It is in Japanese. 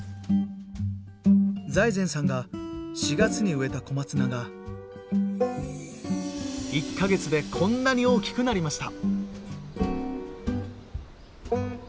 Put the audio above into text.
財前さんが４月に植えた小松菜が１か月でこんなに大きくなりました。